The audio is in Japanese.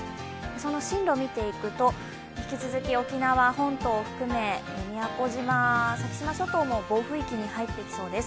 その進路見ていくと引き続き沖縄本島を含め宮古島、先島諸島も暴風域に入ってきそうです。